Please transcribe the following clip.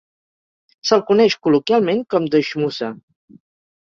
Se'l coneix col·loquialment com The Schmoozer.